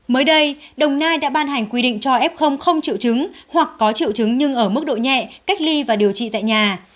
mới đây đồng nai đã ban hành quy định cho f không triệu chứng hoặc có triệu chứng nhưng ở mức độ nhẹ cách ly và điều trị tại nhà